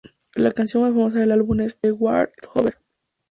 La canción más famosa del álbum es "The War is Over".